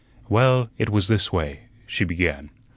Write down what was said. "Well, it was this way," she began.